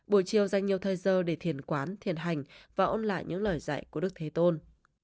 buổi chiều dành nhiều thời giờ để thiền quán thiền hành và ôn lại những lời dạy của đức thế tôn